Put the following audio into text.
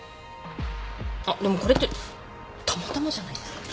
あっでもこれってたまたまじゃないですか？